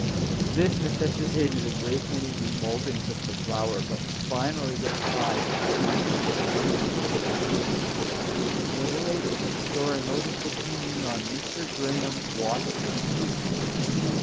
This necessitated a great many remouldings of the flour, — but finally the prize was captured by Miss Covert. A little later, Dora noticed it hanging on Mr. Graham's watch guard.